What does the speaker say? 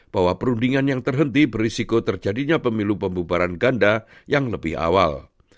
bahwa perundingan yang terhenti berisiko terjadinya pemilu pembubaran ganda yang lebih awal